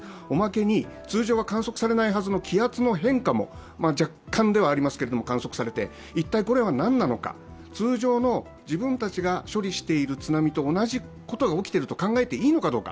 おまけに、通常は観測されないはずの気圧の変化も若干ではありますけれども、観測されて、一体これは何なのか、通常の自分たちが処理している津波と同じことが起きていると考えていいのか